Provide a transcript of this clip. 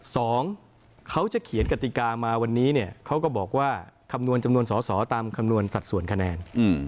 สองเขาจะเขียนกติกามาวันนี้เนี่ยเขาก็บอกว่าคำนวณจำนวนสอสอตามคำนวณสัดส่วนคะแนน